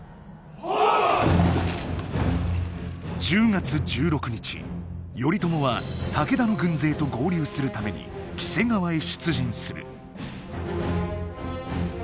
１０月１６日頼朝は武田の軍勢と合流するために黄瀬川へ出陣する。